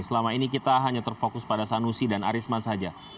selama ini kita hanya terfokus pada sanusi dan arisman saja